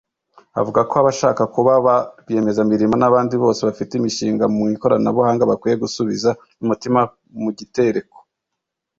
avuga ko abashaka kuba ba rwiyemezamirimo n’abandi bose bafite imishinga mu ikoranabuhanga bakwiye gusubiza umutima mu gitereko